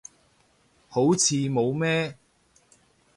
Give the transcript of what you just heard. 好似冇咩